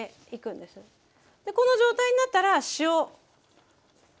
でこの状態になったら塩。